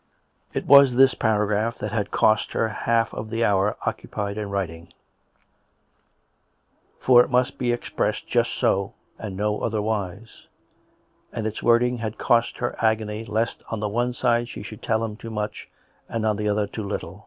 COME RACK! COME ROPE! 79 It was this paragraph that had cost her half of the hour occupied in writing; for it must be expressed just so and no otherwise; and its wording had cost her agony lest on the one side she should tell him too much, and, on the other, too little.